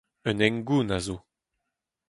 Un hengoun a zo.